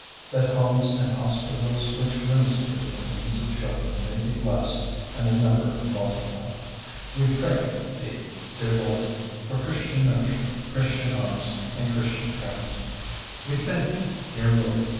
That homes and hospitals which minister to the needs of children may be blessed, and their number multiplied; We pray Thee, dear Lord. For Christian nurture, Christian homes, and Christian parents; We thank Thee, dear Lord.